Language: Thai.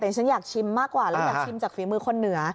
แต่ฉันอยากชิมมากกว่าแล้วอยากชิมจากฝีมือคนเหนือ